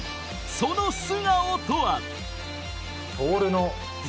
その素顔とは？